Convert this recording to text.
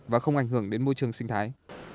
và không ảnh hưởng đến môi trường sinh thái